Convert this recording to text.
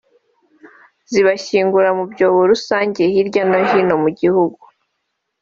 zibashyingura mu byobo rusange hirya no hino mu gihugu